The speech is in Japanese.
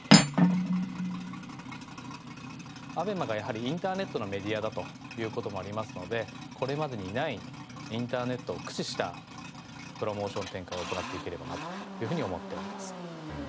ＡＢＥＭＡがやはりインターネットのメディアだという事もありますのでこれまでにないインターネットを駆使したプロモーション展開を行っていければなというふうに思っております。